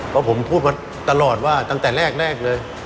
เพราะผมพูดมาตลอดว่าตั้งแต่แรกเลย